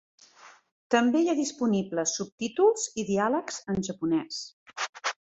També hi ha disponibles subtítols i diàlegs en japonès.